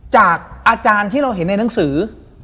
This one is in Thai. จากอาจารย์ที่เราเห็นในหนังสือ